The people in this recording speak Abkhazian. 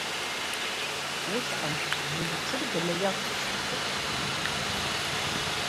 Усҟан зегь цәырганы иахәаԥштәхоит хымԥада!